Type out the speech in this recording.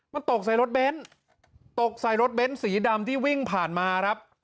มันตกใส่รถเบนท์ตกใส่รถเบ้นสีดำที่วิ่งผ่านมาครับ